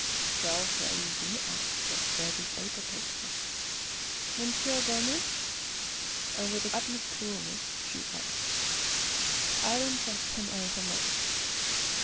Charles naively asked her where this paper came from. "Monsieur Guillaumin"; and with the utmost coolness she added, "I don't trust him overmuch.